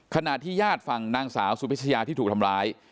ขณะที่ญาติฝั่งนางสาวสุพิชยาที่ถูกทำร้าย